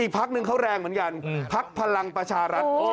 อีกภักดิ์หนึ่งเขาแรงเหมือนกันภักดิ์พลังประชารัฐ